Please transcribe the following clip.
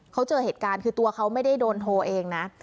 เขาเจอเหตุการณ์คือตัวเขาไม่ได้โดนโทรเองนะ